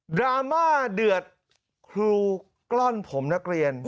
ดราม่าเดือดครูกล้อนผมนักเรียน